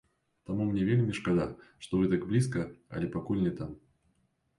Таму мне вельмі шкада, што вы так блізка, але пакуль не там.